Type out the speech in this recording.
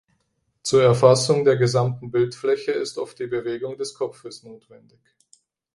Zur Erfassung der gesamten Bildfläche ist oft die Bewegung des Kopfes notwendig.